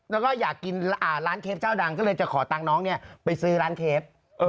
แล้วก็อยากกินร้านเคฟเจ้าดังก็เลยจะขอตังค์น้องไปซื้อร้านเคฟ